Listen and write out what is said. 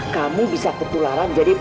kamu bisa ketularan jadi